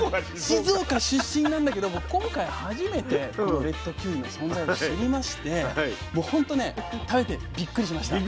静岡出身なんだけども今回初めてこのレッドキウイの存在を知りましてもうほんとね食べてびっくりしました。